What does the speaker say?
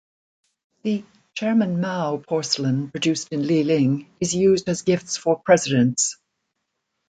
The "Chairman Mao" porcelain produced in Liling is used as gifts for presidents.